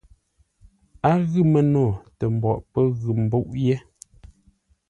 A ghʉ məno tə mboʼ pə́ ghʉ mbúʼ yé.